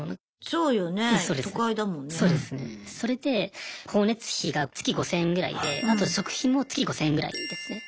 そうよねえ都会だもんね。それで光熱費が月５０００円ぐらいであと食費も月５０００円ぐらいですね。